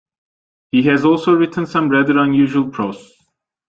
He has also written some rather unusual prose.